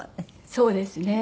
そうですね。